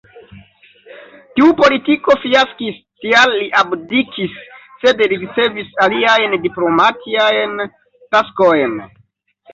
Tiu politiko fiaskis, tial li abdikis, sed li ricevis aliajn diplomatiajn taskojn.